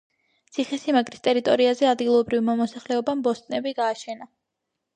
ციხესიმაგრის ტერიტორიაზე ადგილობრივმა მოსახლეობამ ბოსტნები გააშენა.